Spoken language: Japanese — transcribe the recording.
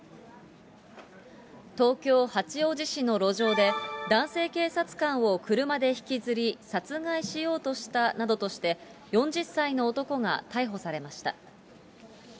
東京・八王子市の路上で、男性警察官を車で引きずり、殺害しようとしたなどとして、４０歳の男が逮捕されました。